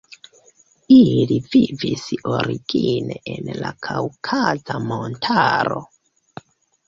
Ili vivis origine en la Kaŭkaza montaro.